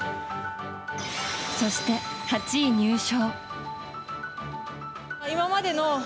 そして８位入賞。